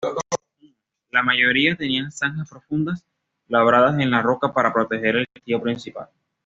La mayoría tenían zanjas profundas labradas en la roca para proteger el castillo principal.